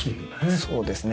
そうですね。